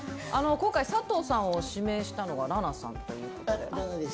今回、佐藤さんを指名したのは裸奈さんということで。